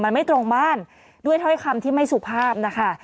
มันไม่ตรงบ้านด้วยถ้อยคำที่ไม่สุภาพนะคะ